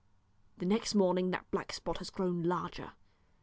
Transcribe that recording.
The next morning that black spot has grown larger.